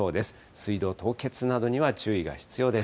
水道凍結などには注意が必要です。